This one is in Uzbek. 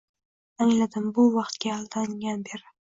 Angladim, bu vaqtga aldangan bari